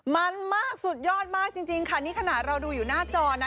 มันมากสุดยอดมากจริงค่ะนี่ขนาดเราดูอยู่หน้าจอนะ